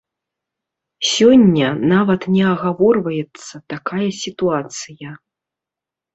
Сёння нават не агаворваецца такая сітуацыя.